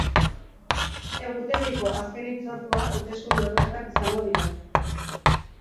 Egutegiko azken hitzordua hauteskunde orokorrak izango dira.